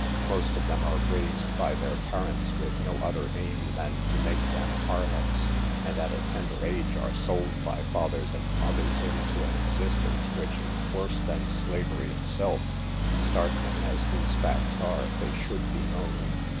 Most of them are raised by their parents with no other aim than to make them harlots, and at a tender age are sold by fathers and mothers into an existence which is worse than slavery itself. Startling as these facts are, they should be known.